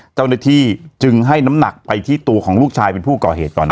เจ้าหน้าที่จึงให้น้ำหนักไปที่ตัวของลูกชายเป็นผู้ก่อเหตุก่อน